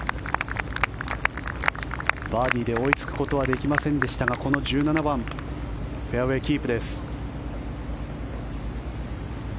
バーディーで追いつくことはできませんでしたがこの１７番フェアウェーキープです。